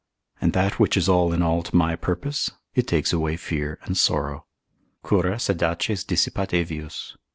And that which is all in all to my purpose, it takes away fear and sorrow. Curas edaces dissipat Evius.